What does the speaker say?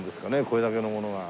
これだけのものが。